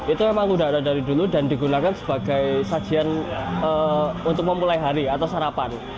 itu memang udah ada dari dulu dan digunakan sebagai sajian untuk memulai hari atau sarapan